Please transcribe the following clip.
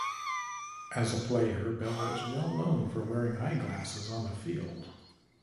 As a player, Bell was well known for wearing eyeglasses on the field.